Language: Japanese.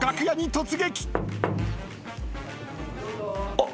あっ！